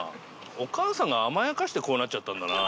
お母さんが甘やかしてこうなっちゃったんだな。